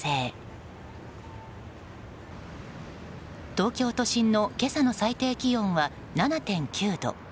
東京都心の今朝の最低気温は７．９度。